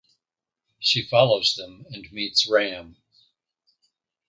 She follows them and meets Ram.